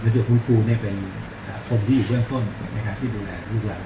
หลักศึกคุณครูเป็นคนที่อยู่เบื้องต้นที่ดูแลลูกหลักเรา